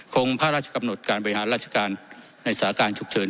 คงพระราชกำหนดการบริหารราชการในสาการฉุกเฉิน